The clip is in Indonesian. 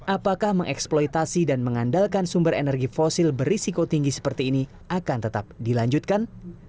apakah mengeksploitasi dan mengandalkan sumber energi fosil berisiko tinggi seperti ini akan tetap dilanjutkan